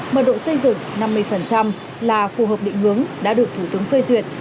mật độ xây dựng năm mươi là phù hợp định hướng đã được thủ tướng phê duyệt